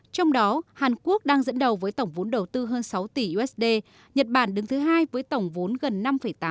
trong đó hàn quốc đang dẫn đầu với tổng vốn đầu tư hơn sáu tỷ usd nhật bản đứng thứ hai với tổng vốn gần năm tám tỷ usd